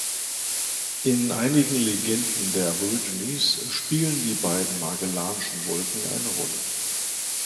In einigen Legenden der Aborigines spielen die beiden Magellanschen Wolken eine Rolle.